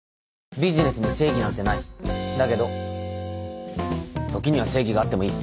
ビジネスに正義なんてないだけど時には正義があってもいい。